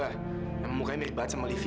yang memukai mirip banget sama livi